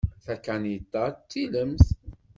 Takaniṭ-a d tilemt.